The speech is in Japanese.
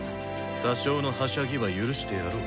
多少のはしゃぎは許してやろう。